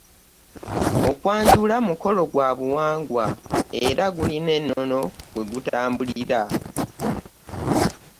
Okwanjula mukolo gwa buwangwa era gulina ennono kwe gutambulira.